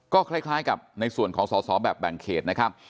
ก็คล้ายกับในส่วนของสอสอแบบแบ่งเขตนะครับ